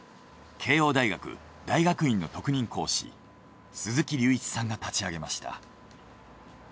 慶應大学大学院の特任講師鈴木隆一さんが立ち上げました。